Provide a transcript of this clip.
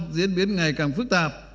diễn biến ngày càng phức tạp